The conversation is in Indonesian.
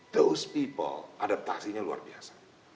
thous people adaptasinya luar biasa